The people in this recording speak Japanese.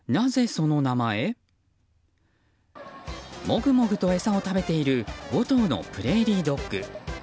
もぐもぐと餌を食べている５頭のプレーリードッグ。